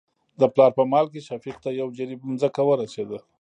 د پلار په مال کې شفيق ته يو جرېب ځمکه ورسېده.